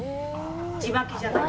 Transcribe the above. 地撒きじゃない。